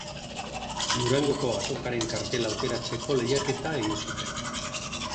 Durangoko Azokaren kartela aukeratzeko lehiaketa egin zuten.